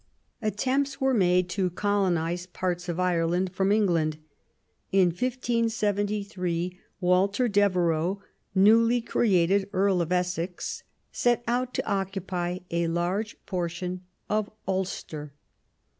Attempts were made to colonise parts of Ireland from England. In 1573 Walter Devereux, newly created Earl of Essex, set out to occupy a large portion of Ulster.